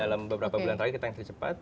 dalam beberapa bulan lagi kita yang tercepat